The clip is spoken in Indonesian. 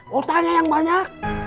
bukan yang banyak